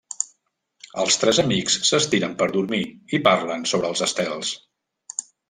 Els tres amics s'estiren per dormir i parlen sobre els estels.